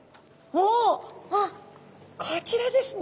おこちらですね。